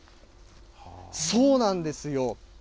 そうなんですよ。